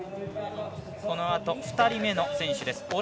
このあと２人目の選手です。